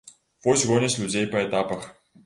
Вось гоняць людзей па этапах.